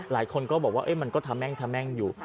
หลายคนก็บอกว่ามันก็ทะแม่งทะแม่งอยู่